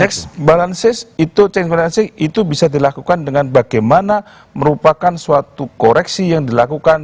check and balances itu check and balances itu bisa dilakukan dengan bagaimana merupakan suatu koreksi yang tidak harus